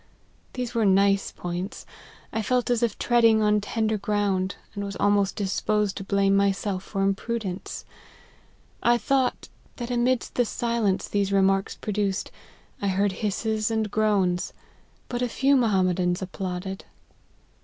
These were nice points ; I felt as if treading on tender ground, and was almost disposed to blame myself for imprudence. I thought, that amidst the silence these remarks produced, I heard hisses and groans : but a few Mohammedans applauded."